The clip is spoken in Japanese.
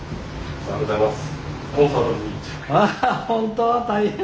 ・おはようございます。